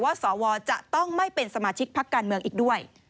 สวจะต้องไม่เป็นสมาชิกพักการเมืองอีกด้วย